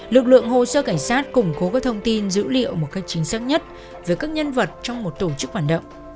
lực lượng hồ sơ cảnh sát củng cố các thông tin dữ liệu một cách chính xác nhất với các nhân vật trong một tổ chức hoạt động